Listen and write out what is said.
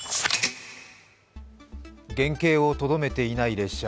原形をとどめていない列車。